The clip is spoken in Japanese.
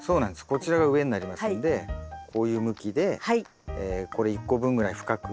こちらが上になりますんでこういう向きでこれ１個分ぐらい深く。